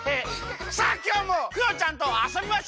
さあきょうもクヨちゃんとあそびましょう！